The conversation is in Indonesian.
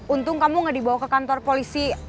untung kamu gak dibawa ke kantor polisi